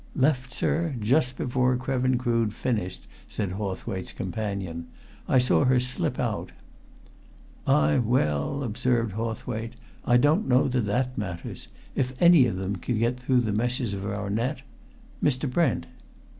"Left, sir, just before Krevin Crood finished," said Hawthwaite's companion. "I saw her slip out." "Ay, well!" observed Hawthwaite. "I don't know that that matters! If any of them can get through the meshes of our net ... Mr. Brent!"